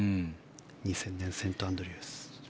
２０００年セントアンドリュース。